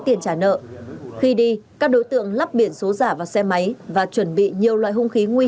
tiền trả nợ khi đi các đối tượng lắp biển số giả vào xe máy và chuẩn bị nhiều loại hung khí nguy